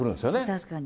確かに。